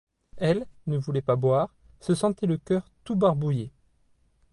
Elle, ne voulait pas boire, se sentait le coeur tout barbouillé.